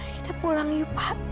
kita pulang yuk pak